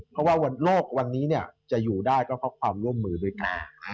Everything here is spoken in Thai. เพราะว่าโลกวันนี้จะอยู่ได้ก็เพราะความร่วมมือด้วยกัน